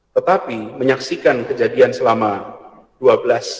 tetapi menyaksikan kejadian selama dua belas jam